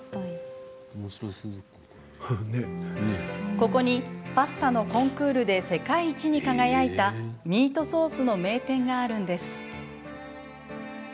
ここにパスタのコンクールで世界一に輝いたミートソースの名店があるんです。